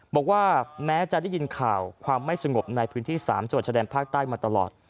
บอกว่าแม้จะได้ยินข่าวความไม่สงบในพื้นที่๓จังหวัดชะแดนภาคใต้มาตลอด